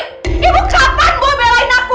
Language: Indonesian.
ibu kapan belain aku